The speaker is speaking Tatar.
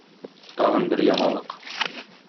Тагын бер яңалык.